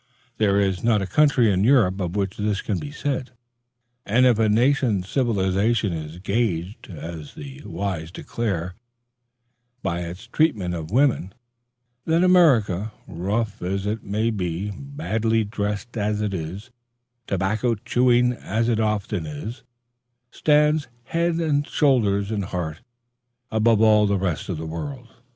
There is not a country in Europe of which this can be said; and if a nation's civilization is gauged as the wise declare by its treatment of women, then America, rough as it may be, badly dressed as it is, tobacco chewing as it often is, stands head, shoulders, and heart above all the rest of the world.